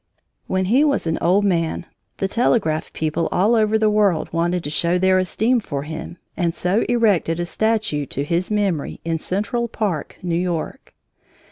When he was an old man, the telegraph people all over the world wanted to show their esteem for him and so erected a statue to his memory in Central Park, New York.